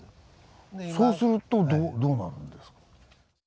そうするとどうなるんですか？